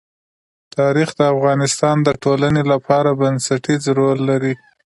تاریخ د افغانستان د ټولنې لپاره بنسټيز رول لري.